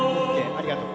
ありがとう。